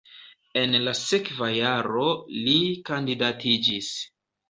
En la sekva jaro li kandidatiĝis.